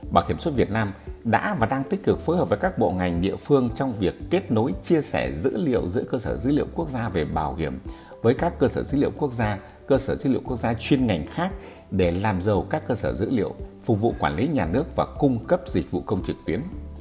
bảo hiểm xuất việt nam đã và đang tích cực phối hợp với các bộ ngành địa phương trong việc kết nối chia sẻ dữ liệu giữa cơ sở dữ liệu quốc gia về bảo hiểm với các cơ sở dữ liệu quốc gia cơ sở dữ liệu quốc gia chuyên ngành khác để làm giàu các cơ sở dữ liệu phục vụ quản lý nhà nước và cung cấp dịch vụ công trực tuyến